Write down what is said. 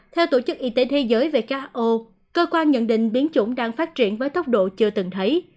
theo tổ chức y tế thế giới who cơ quan nhận định biến chủng đang phát triển với tốc độ chưa từng thấy